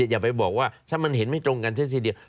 อย่าไปบอกว่าถ้ามันเห็นไม่ตรงกันซะทีเดียว